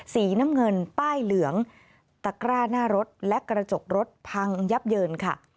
สีน้ำเงินป้ายเหลืองตะกร้าหน้ารถและกระจกรถพังยับเยินค่ะ